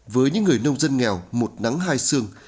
với những người nông dân nghèo một nắng hai sương